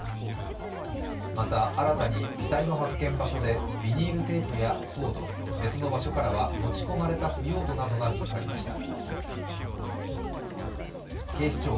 また、新たに遺体の発見場所でビニールテープやコード、別の場所からは、持ち込まれた腐葉土などが見つかりました。